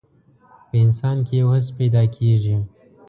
په انسان کې يو حس پيدا کېږي.